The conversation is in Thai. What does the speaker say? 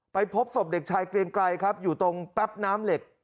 พบศพเด็กชายเกรียงไกรครับอยู่ตรงแป๊บน้ำเหล็ก